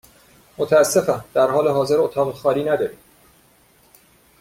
متأسفم، در حال حاضر اتاق خالی نداریم.